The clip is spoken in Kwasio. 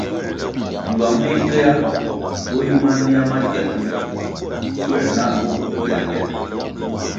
Ngywang minkéah bo yi mania ma gienon schuer na boyeyel.